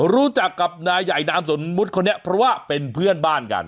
รู้จักกับนายใหญ่นามสมมุติคนนี้เพราะว่าเป็นเพื่อนบ้านกัน